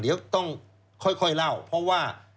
เดี๋ยวต้องค่อยเล่าเพราะว่า